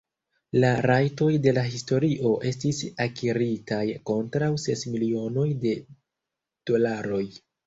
La rajtoj de la historio estis akiritaj kontraŭ ses milionoj de dolaroj.